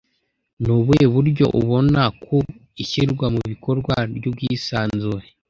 Ni ubuhe buryo ubona ku ishyirwa mu bikorwa ry'ubwisanzure